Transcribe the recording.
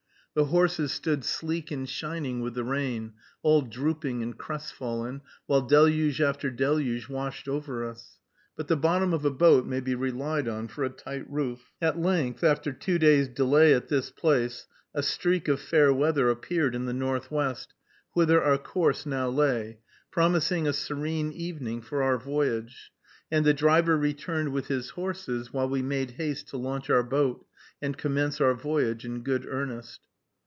The horses stood sleek and shining with the rain, all drooping and crestfallen, while deluge after deluge washed over us; but the bottom of a boat may be relied on for a tight roof. At length, after two hours' delay at this place, a streak of fair weather appeared in the northwest, whither our course now lay, promising a serene evening for our voyage; and the driver returned with his horses, while we made haste to launch our boat, and commence our voyage in good earnest.